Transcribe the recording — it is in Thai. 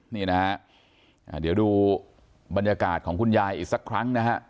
นี่นะฮะเดี๋ยวดูบรรยากาศของคุณยายอีกสักครั้งนะฮะ